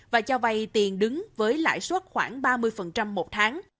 và cho vay tiền đứng với lãi suất khoảng ba mươi